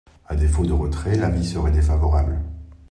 À défaut de retrait, l’avis serait défavorable.